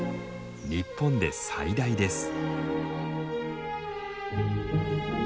日本で最大です。